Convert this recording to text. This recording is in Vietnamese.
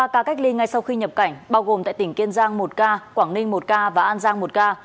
ba ca cách ly ngay sau khi nhập cảnh bao gồm tại tỉnh kiên giang một ca quảng ninh một ca và an giang một ca